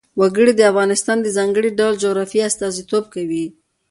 وګړي د افغانستان د ځانګړي ډول جغرافیه استازیتوب کوي.